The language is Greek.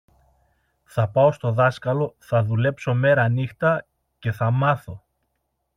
Θα πάω στο δάσκαλο, θα δουλέψω μέρανύχτα, και θα μάθω!